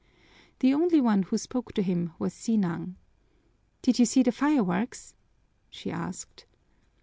The only one who spoke to him was Sinang. "Did you see the fireworks?" she asked.